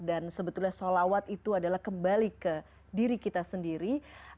dan sebetulnya salawat itu adalah kembali ke diri kita sendiri